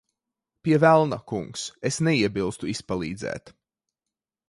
Pie velna, kungs. Es neiebilstu izpalīdzēt.